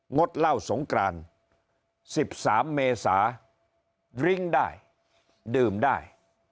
ดเหล้าสงกราน๑๓เมษาริ้งได้ดื่มได้